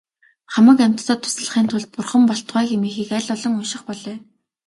Хамаг амьтдад туслахын тулд бурхан болтугай хэмээхийг аль олон унших болой.